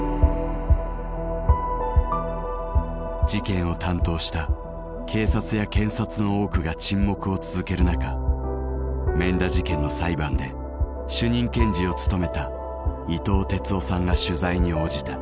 事件を担当した警察や検察の多くが沈黙を続ける中免田事件の裁判で主任検事を務めた伊藤鉄男さんが取材に応じた。